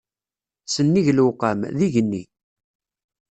Sennig lewqam, d igenni.